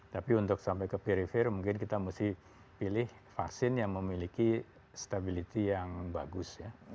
tapi untuk sampai ke perifer mungkin kita mesti pilih vaksin yang memiliki stability yang bagus ya